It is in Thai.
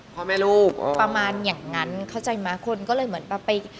พ่อแม่ลูกประมาณอย่างนั้นเข้าใจไหมคนก็เลยเหมือนแบบไป